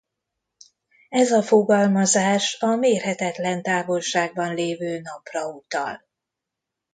Ez a fogalmazás a mérhetetlen távolságban lévő Napra utal.